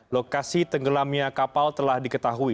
lokasi tenggelamnya kapal telah diketahui